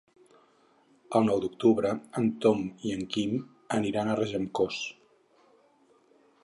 El nou d'octubre en Tom i en Quim aniran a Regencós.